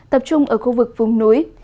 tập trung ở khu vực vùng núi